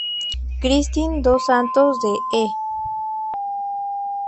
Kristin dos Santos de "E!